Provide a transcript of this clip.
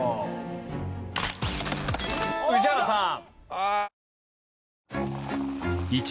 宇治原さん。